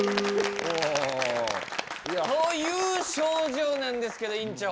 という症状なんですけど院長。